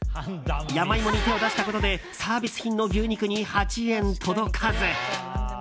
ヤマイモに手を出したことでサービス品の牛肉に８円届かず。